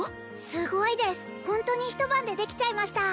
すごいですホントに一晩でできちゃいました